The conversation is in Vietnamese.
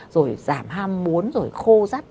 rồi giảm ham muốn rồi khô rắt